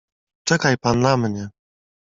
"Czekaj pan na mnie."